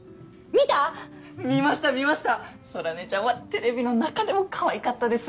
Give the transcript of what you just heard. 見ました空音ちゃんはテレビの中でもかわいかったです